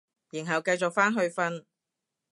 然後繼續返去瞓